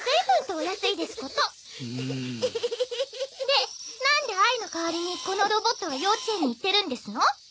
でなんであいの代わりにこのロボットは幼稚園に行ってるんですの？